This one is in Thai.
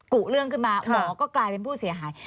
กุเรื่องขึ้นมาหมอก็กลายเป็นผู้เสียหาย